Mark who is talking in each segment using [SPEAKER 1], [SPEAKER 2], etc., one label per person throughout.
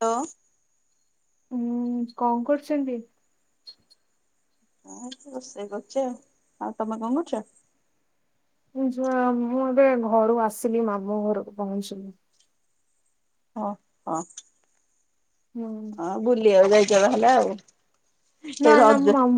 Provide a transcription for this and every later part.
[SPEAKER 1] Hello.
[SPEAKER 2] ଉୁଁ କଣ କରୁଛନ୍ତି?
[SPEAKER 1] ହଁ ରୋଷେଇ କରୁଛି ଆଉ। ଆଉ ତମେ କଣ କରୁଛ?
[SPEAKER 2] ମୁଁ ଏବେ ଘରୁ ଆସିଲି ମାମୁ ଘରକୁ ପହଞ୍ଚିଲି।
[SPEAKER 1] ଓ ହଁ।
[SPEAKER 2] ହୁଁ
[SPEAKER 1] ହଁ ଭୁଲି ଆଉ ଯ ଜବା ହେଲା ଆଉ। ସେ
[SPEAKER 2] ନାଁ ନା
[SPEAKER 1] ରଜ
[SPEAKER 2] ମୁଁ ମାମୁଁ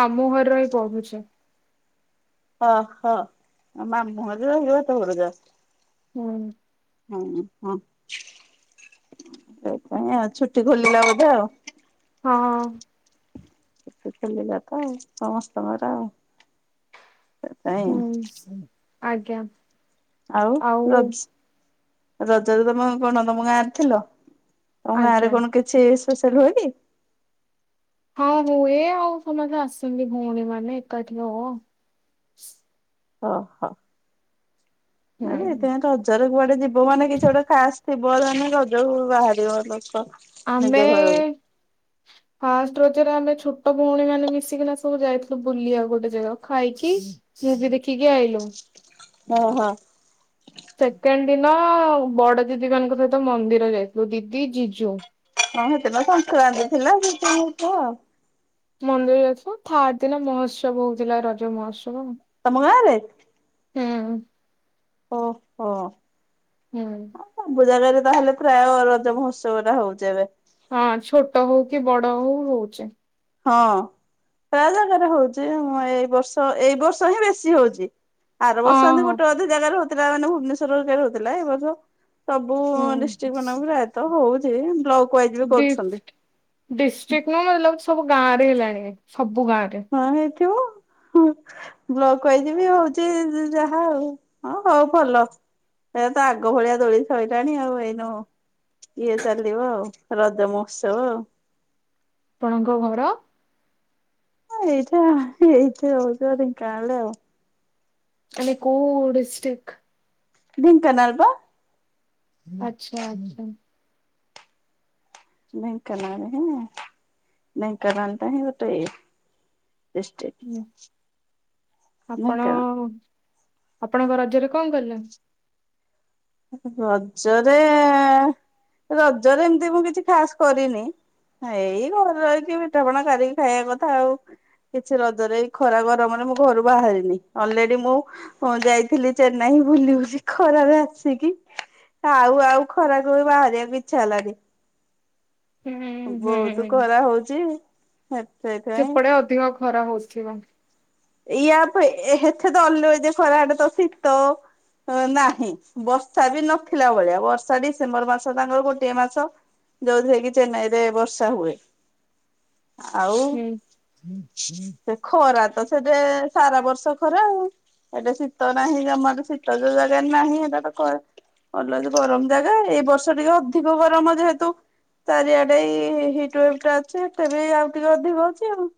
[SPEAKER 2] ମାମୁଁ ଘରେ ହିଁ ପଢୁଛି।
[SPEAKER 1] ଓ ହୋ ମାମୁଁ ଘରେ ରହି ପାଠ ପଢୁଛ।
[SPEAKER 2] ହୁଁ।
[SPEAKER 1] ହଁ ହଁ ସେଇପାଇଁ ଆଉ ଛୁଟି ଖୋଲିଲା ବୋଧେ ଆଉ।
[SPEAKER 2] ହଁ।
[SPEAKER 1] ସେତେ ଖଲିଲା ତ ଆ ସମସ୍ତଙ୍କର ଆଉ। ସେଥିପାଇଁ
[SPEAKER 2] ହୁଁ। ଆଜ୍ଞା।
[SPEAKER 1] ଆଉ ର ରଜରେ ତମ କଣ ତମ ଗାଁରେ ଥିଲ? ତମ ଗାଁ
[SPEAKER 2] ଆଜ୍ଞା।
[SPEAKER 1] ରେ କଣ କିଛି ପେଶିଆଲ ହୁଏ କି?
[SPEAKER 2] ହଁ ହୁଏ ଆଉ ସମସ୍ତେ ଆସନ୍ତି ଭଉଣୀ ମାନେ ଏକାଠି ହଉ ଆଉ।
[SPEAKER 1] ହ ହ। ନାଇ ଯେ
[SPEAKER 2] ହୁଁ।
[SPEAKER 1] ଏଥିପାଇଁ ରଜରେ କୁଆଡେ ଯିବ କୋଉ ମନେ କିଛି ଗୋଟେ ଖାସ୍ ଥିବ ମାନେ ଗଜ ବାହାରିବ ଲୋକ। ନିଜ
[SPEAKER 2] ଆମେ
[SPEAKER 1] ଘରକୁ।
[SPEAKER 2] ଫାଷ୍ଟ ରଜରେ ଆମେ ଛୋଟ ଭଉଣୀ ମାନେ ମିଶିକିନା ସବୁ ଯାଇଥିଲୁ ବୁଲିବାକୁ ଗୋଟେ ଜାଗା ଖାଇକି ମୁଭି ଦେଖିକି ଆଇଲୁ।
[SPEAKER 1] ଓ ହୋ।
[SPEAKER 2] ସେକେଣ୍ଡ ଦିନ ନା ବଡ ଦିଦି ମାନଙ୍କ ସହିତ ମନ୍ଦିର ଯାଇଥିଲୁ ଦିଦି ଜିଜୁ।
[SPEAKER 1] ହଁ ସେଦିନ ସଂକ୍ରାନ୍ତି ଥିଲା [unintelligible] ଆଉ।
[SPEAKER 2] ମନ୍ଦିର ଯାଇଥିଲୁ ଥାର୍ ଦିନ ମହୋତ୍ସବ ହଉଥିଲା ରଜ ମହୋତ୍ସବ ଆଉ।
[SPEAKER 1] ତମ ଗାଁ ରେ?
[SPEAKER 2] ହୁଁ।
[SPEAKER 1] ଓ ହୋ।
[SPEAKER 2] ହୁଁ।
[SPEAKER 1] କୋଉ ଜାଗାରେ ତାହେଲେ ପ୍ରାୟ ରଜ ମହୋତ୍ସବ ଟା ହଉଛି ଏବେ।
[SPEAKER 2] ହଁ ଛୋଟ ହଉ କି ବଡ ହଉ ହଉଚି।
[SPEAKER 1] ହଁ ପ୍ରାୟ ଜାଗାରେ ହଉଛି ଏଇ ବର୍ଷ ଏଇ ବର୍ଷ ହିଁ ବେଶୀ ହଉଛି। ଆର ବର୍ଷ ଏମିତି
[SPEAKER 2] ଅହଁ
[SPEAKER 1] ଗୋଟେ ଅଧେ ଜାଗାରେ ହଉ ଥିଲା ମାନେ ଭୁବନେଶ୍ଵର ରେ ରହୁଥିଲା ଏ ବର୍ଷ ସବୁ
[SPEAKER 2] ହୁଁ
[SPEAKER 1] ଡିଷ୍ଟ୍ରିକ୍ଟ ମାନଙ୍କୁ ପ୍ରାୟତଃ ହଉ ହେଇ ବ୍ଲକ ୱାଇଜ ବି
[SPEAKER 2] ଡି
[SPEAKER 1] କରୁଛନ୍ତି।
[SPEAKER 2] ଡିଷ୍ଟ୍ରିକ୍ ନୁହଁ ମତେ ଲାଗୁଛି ସବୁ ଗାଁରେ ହେଲାଣି? ସବୁ ଗାଁରେ।
[SPEAKER 1] ବ୍ଲକ୍ ୱାଇଜ୍ ବି ହଉଛି ଯାହା ଆଉ ହଁ ହଉ ଭଲ ଏ ତ ଆଗ ଭଳିଆ ଦୋଳି ସରଲାଣି ଆଉ ଏଇନୁ ଇଏ ଚାଲିବ ଆଉ। ରଜ ମହୋତ୍ସବ ଆଉ।
[SPEAKER 2] ଆପଣଙ୍କ ଘର?
[SPEAKER 1] ଏଇଟା ଏଇଠି ରହୁଛୁ ବା ଢ଼େଙ୍କାନାଳରେ ଆଉ।
[SPEAKER 2] ମାନେ କୋଉ ଡିଷ୍ଟ୍ରିକ?
[SPEAKER 1] ଢ଼େଙ୍କାନାଳ ବା।
[SPEAKER 2] ଆଛା ଆଛା।
[SPEAKER 1] ଢ଼େଙ୍କାନାଳ ନାଇଁ ଢ଼େଙ୍କାନାଳ ଟା ହିଁ ଗୋଟେ ଡିଷ୍ଟ୍ରିକ୍ଟ।
[SPEAKER 2] ହୁଁ ଆପଣ
[SPEAKER 1] ଢେଙ୍କାନାଳ
[SPEAKER 2] ଆପଣଙ୍କ ରଜରେ କଣ କଲେ?
[SPEAKER 1] ରଜରେ ରଜରେ ଏମତି ମୁଁ କିଛି ଖାସ୍ କରିନି ଏଇ ଘରେ ରହିକି ପିଠାପଣା କରିକି ଖାଇବା କଥା ଆଉ କିଛି ରଜରେ ଖରା ଗରମରେ ମୁଁ ଘରୁ ବାହାରିନି ଅଲରେଡି ମୁଁ ଯାଇଥିଲି ଚେନ୍ନାଇ ବୁଲିିବୁଲି ଖରାରେ ଆସିଚି ଆଉ ଆଉ ଖରାକୁ ବି ବାହାରିବାକୁ ଇଚ୍ଛା ହେଲାନି।
[SPEAKER 2] ହୁଁ
[SPEAKER 1] ବହୁତ ଖରା ହଉଛି। ସେଥିପାଇଁ
[SPEAKER 2] ସେପଡେ ଅଧିକ ଖରା ହଉଛି। ଥିବ।
[SPEAKER 1] ଇୟା ଏତେ ତ ଅଲ ଖରା ହଡେ ତ ଶୀତ ନାହିଁ ବର୍ଷା ବି ନଥିଲା ଭଳିଆ ବର୍ଷା ଡିସେମ୍ବର ମାସ ତାଙ୍କର ଗୋଟିଏ ମାସ ଯୋଉଥିରେ କି ଚେନ୍ନାଇ ରେ ବର୍ଷା ହୁଏ। ଆଉ
[SPEAKER 2] ହୁଁ
[SPEAKER 1] ସେ ଖରା ସେଟେ ସାରା ବର୍ଷ ଖରା ଏଟା ଶୀତ ନାହିଁ ଜମର ଶୀତ ଯୋଉ ଜାଗାରେ ନାହିଁ ଏଟା ତ ଭଲ ଗରମ ଜାଗା ଏଇ ବର୍ଷ ଟିକେ ଅଧିକ ଗରମ ଯେହେତୁ ଚାରିଆଡେଇ ହିଟ ୱେବଟା ଅଛି ଏଟେ ବି ଆଉ ଟିକେ ଅଧିକ ଅଛି ଆଉ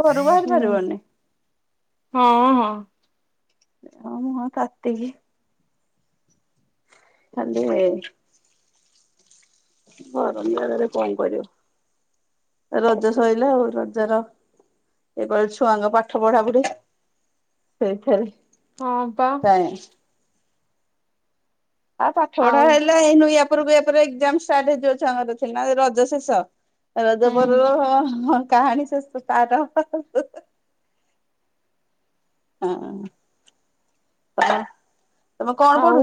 [SPEAKER 1] ଘରୁ ବାହାରି
[SPEAKER 2] ହୁଁ।
[SPEAKER 1] ପାରିବନି।
[SPEAKER 2] ହଁ ହଁ,
[SPEAKER 1] ମୋ ମୁଁହଁ ତାତିକି ନ [inaudible] ଗରମ ଜାଗାରେ କଣ କରିବ ରଜ ସରିଲା ଆଉ ରଜ ର ଏ କ ଛୁଆଙ୍କ ପାଠ ପଢା ପଢି ସେଇଠାରେ
[SPEAKER 2] ହଁପା,
[SPEAKER 1] ଆଉ ପାଠ ବଢା
[SPEAKER 2] ଆଉ
[SPEAKER 1] ହେଲା ଏଇନୁ ଉପରକୁ ଏପ ଏଜାମ ଷ୍ଟାର୍ଟ ହେଇଯିବ ଛୁଆଙ୍କର ସିନା ରଜ ଶେଷ,
[SPEAKER 2] ହୁଁ
[SPEAKER 1] ରଜପରର କାହାଣୀ ଶେଷ ଷ୍ଟାଟ ହେବ ହ ବାସ୍
[SPEAKER 2] ଆଉ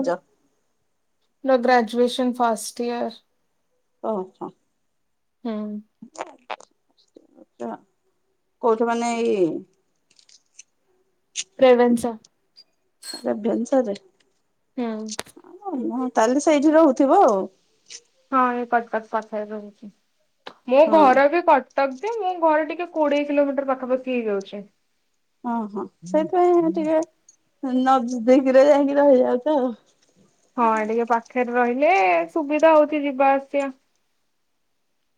[SPEAKER 2] ନା ଗ୍ରାଜୁଏସନ, ଫାଷ୍ଟ ଇୟର,
[SPEAKER 1] ଓ ହୋ [inaudible]
[SPEAKER 2] ହଁ,
[SPEAKER 1] ତ କୋଉଠି ମାନେ ଏଇ,
[SPEAKER 2] ରେଭେନ୍ସା
[SPEAKER 1] ରେଭେନ୍ସା ରେ
[SPEAKER 2] ହୁଁ
[SPEAKER 1] [unintelligible] ତାହେଲେ ସେଇଠି ରହୁଥିବ ଆଉ,
[SPEAKER 2] ହଁ ଏଇ କଟକ ପଛରେ ରହୁଛି। ମୋ
[SPEAKER 1] ହଁ
[SPEAKER 2] ଘର ବି କ ତକଦେ ମୁଁ ଘରେ ଟିକେ କୋଡିଏ କିଲୋମିଟର ପାଖାପାଖି ହେଇଯାଉଛି।
[SPEAKER 1] ଓ ହୋ ସେଇଥିପାଇଁ ଟିକେ, ନବଦିକରେ ଯାଇକି ରହିଯାଉଛ ଆଉ,
[SPEAKER 2] ହଁ ଟିକେ ପାଖରେ ରହି, ହେଲେ ସୁବିଧା ହଉଛି ଯିବା ଆସିବା,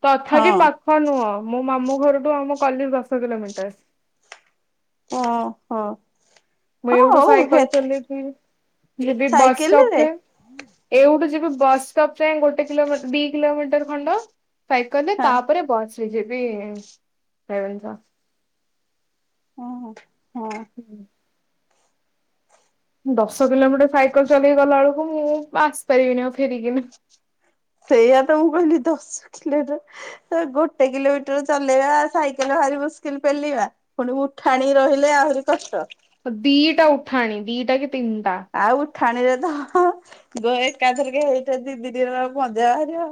[SPEAKER 2] ତଥାପି
[SPEAKER 1] ଆଉ
[SPEAKER 2] ପାଖ ନୁହଁ ମୋ ମାମୁଁ ଘରଠୁ ଆମ କଲେଜ ଦଶ କିଲୋମିଟର।
[SPEAKER 1] ଓହୋ।
[SPEAKER 2] ମଁ ଏଇଠୁ
[SPEAKER 1] ହଉ ହେ
[SPEAKER 2] ସାଇକଲ ଚଲେଇକି ଯିବି ବସଷ୍ଟପ
[SPEAKER 1] ସାଇକେଲରେ
[SPEAKER 2] ଯାଏଁ ଏଉଠୁ ଯିବି ବସଷ୍ଟପ ଯାଏ ଗୋଟେ କିଲୋମ ଦି କିଲୋମିଟର ଖଣ୍ଡ। ସାଇକେଲରେ
[SPEAKER 1] ହଁ
[SPEAKER 2] ତାପରେ bus B J P Ravenshaw
[SPEAKER 1] ଓହୋ
[SPEAKER 2] ହୁଁ ଦଶ କିଲୋମିଟର ସାଇକଲ ଚଲେଇକି ଗଲା ବେଳକୁ ମୁଁ ଆସି ପାରିବିନି ଆଉ ଫେରିକିନା।
[SPEAKER 1] ସେଇଆ ତ ମୁଁ କହିଲି ଦଶ କିଲୋମିଟର ଗୋଟେ କିଲୋମିଟର ଚଲେଇବା ସାଇକେଲ ଭାରି ମୁସ୍କିଲ ପେଲିବା ପୁଣି ଉଠାଣି ରହିଲେ ଆହୁରି କଷ୍ଟ।
[SPEAKER 2] ଦିଟା ଉଠାଣି ଦିଟା କି ତିନିଟା।
[SPEAKER 1] ଖାଣିରେ ତ ଦ ଏକାଥରିକେ ଏଟା ଦି ଦି ଦି ଜଣ ମଜା ବାହାରିବ।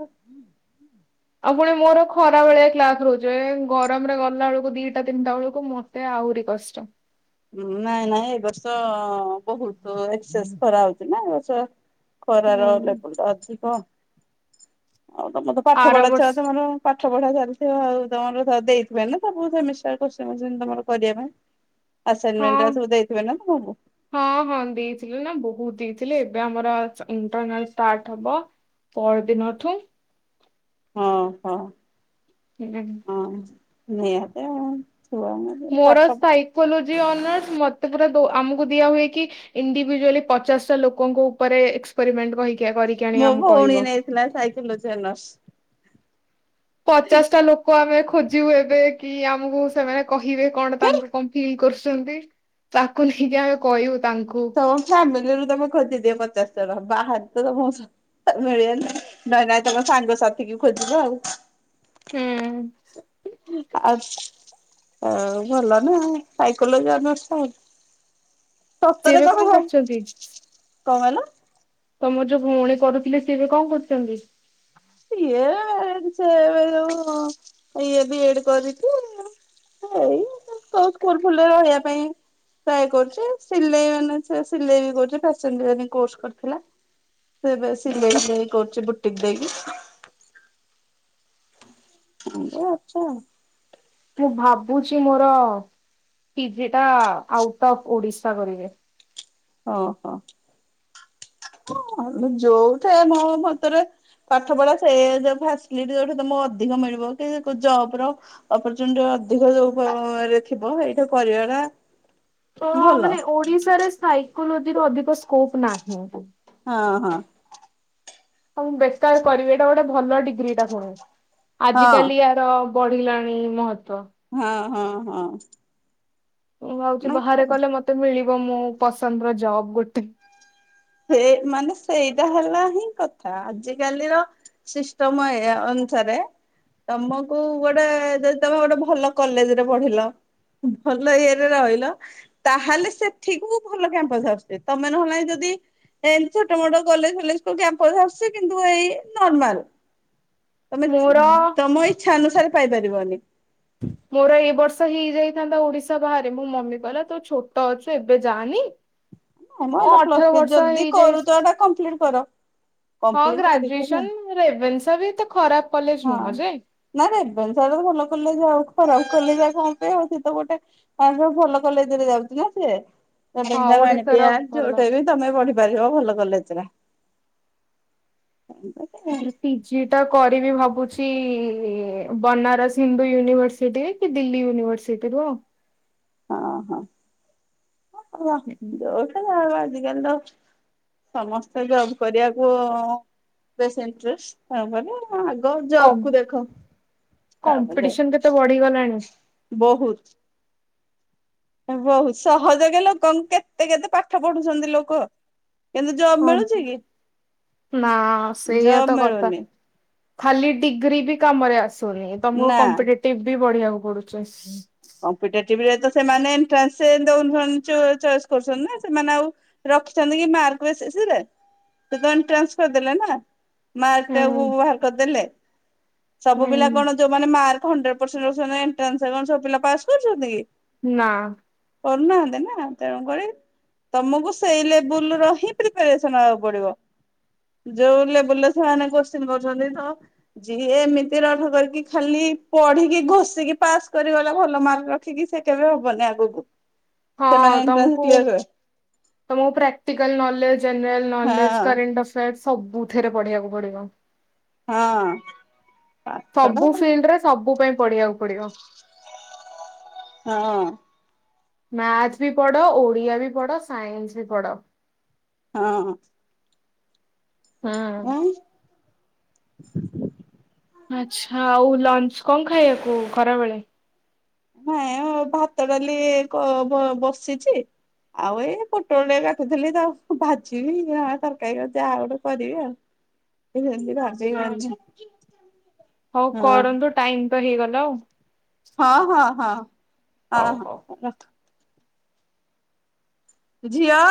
[SPEAKER 2] ଆଉ ପୁଣି ମୋର ଖରା ବେଳିଆ କ୍ଲାସ୍ ରହୁଚି ଏ ଗରମରେ ଗଲା ବେଳକୁ ଦିଟା ତିନିଟା ବେଳକୁ ମତେ ଆହୁରି କଷ୍ଟ।
[SPEAKER 1] ନାଇଁ ନାଇଁ ଏ ବର୍ଷ ବୋହୁତ ଏକସେସସ୍ ଖରା ହୋଉଚି ନା। ଚ
[SPEAKER 2] ହୁଁ
[SPEAKER 1] ଖରାର ଲେବଲଟା ଅଛି [unintelligible] ଆଉ ତମର ତ ପାଠ
[SPEAKER 2] ଆର
[SPEAKER 1] ପଢା ଛୁଆ
[SPEAKER 2] ବର୍ଷ
[SPEAKER 1] ତମର ପାଠ ପଢା ଚାଲିଥିବ ଆଉ ତମର ଦେଇଥିବ ନା ସବୁ ସେମିଷ୍ଟାର [unintelligible] ତମର କରିବା ପାଇଁ
[SPEAKER 2] ହଁ
[SPEAKER 1] ଆସାଇନମେଣ୍ଟ ଗୁରା ସବୁ ଦେଇଥିବେ ନା ତମକୁ
[SPEAKER 2] ହଁ ହଁ ଦେଇଥିଲ ନା ବୋହୁତ ଦେଇ ହେଲେ ଏବେ ଆମର ଇଣ୍ଟର୍ଣାଲ୍ ଷ୍ଟାର୍ଟ ହବ ପର୍ ଦିନ ଠୁ।
[SPEAKER 1] ହଁ ହଁ।
[SPEAKER 2] ହୁଁ।
[SPEAKER 1] ହଁ [unintelligible]
[SPEAKER 2] ମୋର
[SPEAKER 1] ପାଠ
[SPEAKER 2] ସାାଇକୋଲ୍ ଅନର୍ସ ମତେ ପୁର ଆମକୁ ଦିଆ ହଏ କି ଇଣ୍ଡିଭିଜୁଆଲି ପଚାଶଟା ଲୋକଙ୍କ ଉପରେ ଏକ୍ସପେରିମେଣ୍ଟ କହି
[SPEAKER 1] ମୋ ଭଉଣୀ ନେଇଥିଲା ସାଇକୋଲଜି ଅନର୍ସ।
[SPEAKER 2] ପଚାଶ ଟା ଲୋକ ଆମେ ଖୋ ଯିବୁ ଏବେ କି ଆମକୁ ସେମାନେ କହିବେ କଣ ତାଙ୍କ [unintelligible] କରୁଛନ୍ତି ତାକୁ ନେଇକି ଆମେ କହିବୁ। ତାଙ୍କୁ
[SPEAKER 1] ତମ ଫ୍ୟାମିଲିରୁ ତମେ ଖୋଜିଦିଅ ପଚାଶ ବାହାରେ [inaudible] ମିଳିବେନି ନହେଲେ ନାଇଁ ତମ ସାଙ୍ଗସାଥି କି ଖୋଜିବ ଆଉ।
[SPEAKER 2] ହୁଁ।
[SPEAKER 1] ଆ ଭଲ ନା ସାଇକୋଲଜି ଅନର୍ସ।
[SPEAKER 2] ସେ ଏବେ କଣ କରୁଚନ୍ତି?
[SPEAKER 1] କଣ କଲ?
[SPEAKER 2] ତମର ଯୋଉ ଭଉଣୀ କରୁଥିଲେ ସିଏ ଏବେ କଣ କରୁଛନ୍ତି।
[SPEAKER 1] ଇଏ ସେ ଏବେ ଯୋଉ ଇଏ ବି ଡ୍ କରିକି ଏଇ ସ୍କୁଲ ଫୁଲ୍ ରେ ରହିବା ପାଇଁ ଟ୍ରାଏ କରୁଚି ସିଲେଇ ମାନେ ସେ ସିଲେଇ ବି କରୁଚି ଫ୍ୟାସନ୍ ଡିଜାଇନ୍ କୋର୍ସ କରିଥିଲା। ଏଇ ଏବେ ସିଲେଇ ଫିଲେଇ କରୁଚି ବାଟ [unintelligible] [unintelligible] ଅଛ
[SPEAKER 2] ମୁଁ ଭାବୁଛି ମୋର ପିଜି ଟା ଆଉଟ ଅଫ୍ ଓଡିଶା କରିବେ।
[SPEAKER 1] ଓହୋ ଯୋଉଠେ ମୋ ମତରେ ପାଠ ପଢା ସେ ଯୋଉ ପାସିଲିଟୀ ଯୋଉଠେ ଅଧିକ ମିଳିବ କି ଜବ ର ଅପରଚୁନିଟୀ ଅଧିକ ଯୋଉ ଥିବ ହେଇଠେ କରିବାଟା।
[SPEAKER 2] ତ
[SPEAKER 1] ଭଲ
[SPEAKER 2] ମାନେ ଓଡିଶାରେ ସାଇ। [inaudible] ଅଧିକ ସ୍କୋପ ନାହିଁ।
[SPEAKER 1] ହଁ ହଁ।
[SPEAKER 2] ହଁ ମୁଁ ବେଟର କରିବି ଏଇଟା ଗୋଟେ ଭଲ ଡିଗ୍ରୀଟା ପୁଣି। ଆଜିକାଲି
[SPEAKER 1] ହଁ
[SPEAKER 2] ଆର ବଢିଲାଣି ମହତ୍ଵ ତ
[SPEAKER 1] ହୁଁ ହୁଁ।
[SPEAKER 2] ମୁଁ ଭାବୁଛି ବାହାରେ କଲେ ମତେ ମିଳିବ। ମୁଁ ପସନ୍ଦର ଜବ ଗୋଟେ।
[SPEAKER 1] ସେ ମାନେ ସେଇଟା ହେଲା ହିଁ କଥା ଆଜିକାଲିର ସିଷ୍ଟମ ଏୟା ଅନୁସାରେ ତମକୁ ଗୋଟେ ଯଦି ତମେ ଗୋଟେ ଭଲ କଲେଜରେ ପଢିଲ ଭଲ ଇଏରେ ରହିଲ ତାହେଲେ ସେଠିକୁ ଭଲ କ୍ୟାମ୍ପସ ଆସୁଛି ତମେ ନହେଲେ ନାହିଁ ଯଦି। ଏମିତି ଛୋଟ ମୋଟ କଲେଜ ଫଲେଜ କୁ କ୍ୟାମ୍ପସ ଆସୁଛି କିନ୍ତୁ ଏଇ ନର୍ମାଲ। ତମେ
[SPEAKER 2] ମୋର
[SPEAKER 1] ତମ ଇ ଇଚ୍ଛା ଅନୁସାରେ ପାଇପାରିବନି।
[SPEAKER 2] ମୋର ଏ ବର୍ଷ ହେଇଯାଇଥାନ୍ତା ଓଡିଶା ବାହାରେ ମୋ ମମି କହିଲା ତୁ ଛୋଟ ଅଛୁ ଏବେ ଯାଆନି।
[SPEAKER 1] ନାଇଁ ମ
[SPEAKER 2] ଓ
[SPEAKER 1] ଏଟା
[SPEAKER 2] ଅଠର
[SPEAKER 1] ପ୍ଲସ୍ ଥି
[SPEAKER 2] ବର୍ଷ
[SPEAKER 1] ଯଦି
[SPEAKER 2] ହେଇଯାଇ
[SPEAKER 1] କରୁଚ ଏଟା କମ୍ପ୍ଲିଟ କର।
[SPEAKER 2] ହଁ
[SPEAKER 1] କମ୍ପ୍ଲିଟ କରିକି
[SPEAKER 2] ଗ୍ରାଜୁଏସନ ରେଭେନ୍ସା ବି ଏତେ ଖରାପ କଲେଜ
[SPEAKER 1] ହଁ
[SPEAKER 2] ନୁହଁ ଯେ।
[SPEAKER 1] ନାଁ ରେଭେନ୍ସାଟା ତ ଭଲ କଲେଜ ଆଉ ଖରାପ କଲେଜ ଆଉ କଁ ପାଇଁ ଆଉ ସେ ତ ଗୋଟେ ଆ ଯୋଉ ଭଲ କଲେଜରେ ଯାଉଚି ନାଁ ସିଏ ଏ
[SPEAKER 2] ହଁ
[SPEAKER 1] ଗେଞ୍ଜା
[SPEAKER 2] ଓଡିଶାର
[SPEAKER 1] ମାଣିତିଆ
[SPEAKER 2] ଭଲ
[SPEAKER 1] ଯୋଉଟା ବି ତମେ ପଢି ପାରିବ ଭଲ କଲେଜରେ।
[SPEAKER 2] ଫେର ପି ଜି ଟା କରିବି ଭାବୁଚି ବନାରସ ହିନ୍ଦୁ ୟୁନିଭରସିଟିରେ କି ଦିଲ୍ଲୀ ୟୁନିଭରସିଟିରୁୁ ଆଉ।
[SPEAKER 1] ହଁ ହଁ। ହଁ ଭଲ ଯୋଉଠି ତମେ ଆଜିକାଲି ତ ସମସ୍ତେ ଜବ କରିବାକୁ ବେଶ ଇଣ୍ଟରେଷ୍ଟ ତେଣୁ କରି
[SPEAKER 2] କମ୍ କମ୍ପିଟିସନ କେତେ ବଢିଗଲାଣି।
[SPEAKER 1] ବୋହୁତ୍। ହେଁ ବହୁ ସହଜକେ ଲୋକଙ୍କୁ କେତେ କେତେ ପାଠ ପଢୁଛନ୍ତି ଲୋକ। କିନ୍ତୁ ଜବ
[SPEAKER 2] ହଁ
[SPEAKER 1] ମିଳୁଚି କି?
[SPEAKER 2] ନା ସେଇଆ
[SPEAKER 1] ଜବ
[SPEAKER 2] ତ କଥା
[SPEAKER 1] ମିଳୁନି।
[SPEAKER 2] ଖାଲି ଡିଗ୍ରୀ ବି କାମରେ ଆସ୍ ତୋ ହେ ତମୁକୁ
[SPEAKER 1] ନା।
[SPEAKER 2] କମ୍ପିଟେଟିବ୍ ବି ପଢିଆକୁ ପଡ଼ୁଚି।
[SPEAKER 1] କମ୍ପିଟେଟିଭ ରେ ତ ସେମାନେ ଏଣ୍ଟ୍ରାନ୍ସେ ଦୋଉନାହାଁ ଚ ଚଏସ୍ କରୁଛନ୍ତି ନାଁ। ସେମାନେ ଆଉ ରଖିଚନ୍ତି କି ମାର୍କ ବେସିସରେ ସିଏ ତ ଏନଟ୍ରାନ୍ସ କରିଦେଲେ ନାଁ।
[SPEAKER 2] ହୁଁ
[SPEAKER 1] ମାର୍କଟାକୁ ବାହାର କରିଦେଲେ। ସବୁ
[SPEAKER 2] ହୁଁ
[SPEAKER 1] ପିଲା କଣ ଯୋଉମାନେ ମାର୍କ ହଣ୍ଡ୍ରେ ପରସେଣ୍ଟ୍ ପସେନ ନାଇଁ ଏଣ୍ଟ୍ରାନ୍ସରେ କଁ ସବୁ ପିଲା ପାସ୍ କରୁଚନ୍ତି କି?
[SPEAKER 2] ନାଁ।
[SPEAKER 1] କରୁନାହାନ୍ତି ନାଁ ତେଣୁକରି ତମକୁ ସେଇ ଲେବୁଲର ହିଁ ପ୍ରିପାରେସନ ହବାକୁ ପଡ଼ିବ। ଯୋଉ ଲେବୁଲରେ ସେମାନେ କୋଶ୍ଚିନ୍ କରୁଛନ୍ତି ତ ଯିଏ ଏମିତି ରଠ କରିକି ଖାଲି ପଢିକି ଘୋଷିକି ପାସ୍ କରିଗ ଲା ଭଲ ମାର୍କ ରଖିକି ସେ କେବେ ହବନି ଆଗୁକୁ।
[SPEAKER 2] ହଁ ତମକୁ ତମକୁ ପ୍ରାକ୍ଟିକାଲ ନଲେଜ ଜେନେରାଲ ନଲେଜ
[SPEAKER 1] ହଁ
[SPEAKER 2] କରେଣ୍ଟ ଆଫେୟାରର୍ସ ସବୁଥିରେ ପଢ଼ିବାକୁ ପଡ଼ିବ।
[SPEAKER 1] ହଁ। ପାଠଟା
[SPEAKER 2] ସବୁ ଫିଲ୍ଡରେ ସବୁ ପାଇଁ ପଢିବାକୁ ପଡ଼ିବ।
[SPEAKER 1] ହଁ।
[SPEAKER 2] ମ୍ୟାଥ ବି ପଡ଼ ଓଡିଆ ବି ପଡ଼ ସାଇନ୍ସ ବି ପଡ।
[SPEAKER 1] ହଁ।
[SPEAKER 2] ହଁ।
[SPEAKER 1] ନାଇଁ
[SPEAKER 2] ଆଛା ଆଉ ଲଞ୍ଚ କଣ ଖାଇବାକୁ ଖରାବେେଳେ
[SPEAKER 1] ନାଇଁ ଭାତ ଡାଲି ବସିଛି ଆଉ ଏଇ ପୋଟଳ ଟଆ କାଟିୁଥିଲି ତାଉ ଭାଜିବି ଜ ତରକାରୀ ଯାହା ଗୋଟେ କରିବି ଆଉ
[SPEAKER 2] ଆଚ୍ଛା,
[SPEAKER 1] ଭଜିବି
[SPEAKER 2] ହଉ
[SPEAKER 1] ହଁ
[SPEAKER 2] କରନ୍ତୁ ଟାଇମ ତ ହେଇଗଲା ଆଉ
[SPEAKER 1] ହଁ ହଁ ହଁ ହଁ
[SPEAKER 2] ହଉ ହଉ।
[SPEAKER 1] ରଖ ଝିଅ